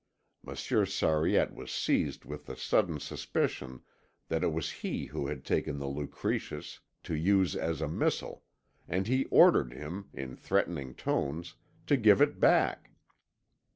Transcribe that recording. Monsieur Sariette was seized with the sudden suspicion that it was he who had taken the Lucretius to use as a missile and he ordered him, in threatening tones, to give it back.